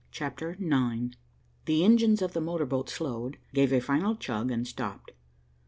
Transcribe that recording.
CHAPTER IX The engines of the motor boat slowed, gave a final chug, and stopped.